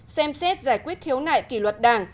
xem xét giải quyết khiếu nại kỷ luật đảng